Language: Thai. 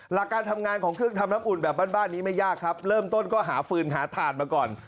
หลักการทำงานของเครื่องทำน้ำอุ่นแบบบ้านนี้ไม่ยากครับเริ่มต้นก็หาฟืนหาถ่านมาก่อน